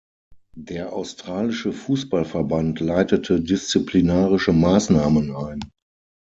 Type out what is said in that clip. Der australische Fußballverband leitete disziplinarische Maßnahmen ein.